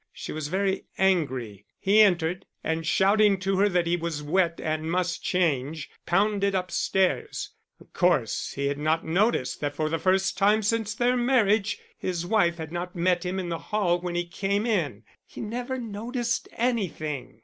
She was very angry. He entered, and shouting to her that he was wet and must change, pounded upstairs. Of course he had not noticed that for the first time since their marriage his wife had not met him in the hall when he came in he never noticed anything.